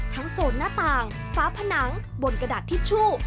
โซนหน้าต่างฟ้าผนังบนกระดาษทิชชู่